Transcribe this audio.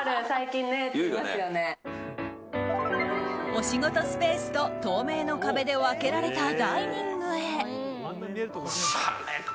お仕事スペースと透明の壁で分けられたダイニングへ。